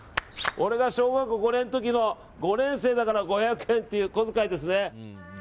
俺が小学校５年の時の５年生だから５００円っていう小遣いですね。